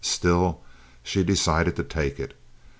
Still she decided to take it.